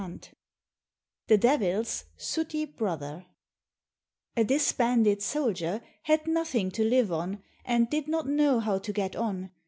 100 The Devil's Sooty Brother A disbanded soldier had nothing to live on, and did not know how to get on.